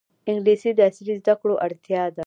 انګلیسي د عصري زده کړو اړتیا ده